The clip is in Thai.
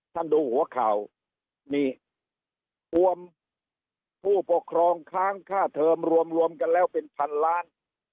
ท่านดูหัวข่าวนี่รวมผู้ปกครองค้างค่าเทอมรวมกันแล้วเป็นพันล้าน